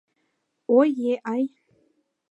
Ой-ей-яй...